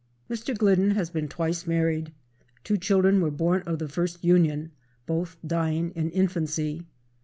Mr. Glidden has been twice married. Two children were born of the first union, both dying in infancy.